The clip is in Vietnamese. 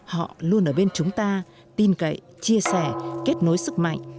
họ luôn ở bên chúng ta tin cậy chia sẻ kết nối sức mạnh